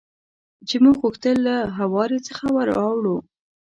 چې موږ غوښتل له هوارې څخه ور اوړو.